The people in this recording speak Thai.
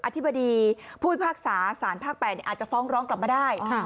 อธิบดีภูมิภาคสาสารภาคแปดเนี่ยอาจจะฟ้องร้องกลับมาได้